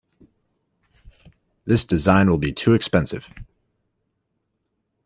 This design will be too expensive.